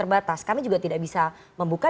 terbatas kami juga tidak bisa membuka